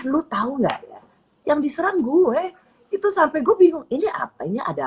pun tunduk tau enggak yang diserang gua itu sampai guping enggak product ada